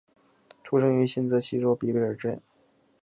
出生于新泽西州北卑尔根。